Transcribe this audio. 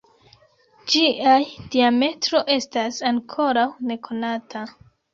Ĝiaj diametro estas ankoraŭ nekonata.